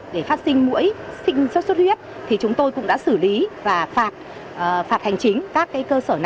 để phát sinh mũi sinh sốt xuất huyết thì chúng tôi cũng đã xử lý và phạt hành chính các cơ sở nào